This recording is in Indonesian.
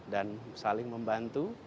dan saling membantu